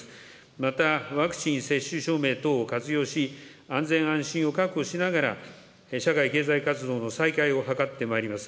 またワクチン接種証明等を活用し、安全安心を確保しながら、社会、経済活動の再開を図ってまいります。